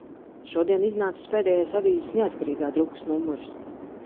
Šodien iznācis pēdējais avīzes "Neatkarīgā" drukas numurs.